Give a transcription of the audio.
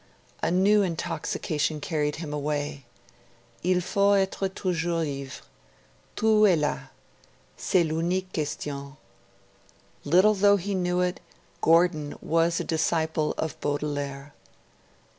A new intoxication carried him away. 'Il faut etre toujours ivre. Tout est la: c'est l'unique question.' Little though he knew it, Gordon was a disciple of Baudelaire.